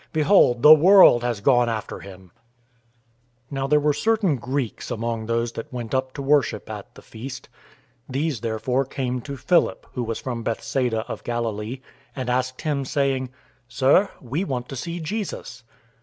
Behold, the world has gone after him." 012:020 Now there were certain Greeks among those that went up to worship at the feast. 012:021 These, therefore, came to Philip, who was from Bethsaida of Galilee, and asked him, saying, "Sir, we want to see Jesus."